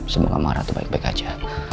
semoga mara tuh baik baik aja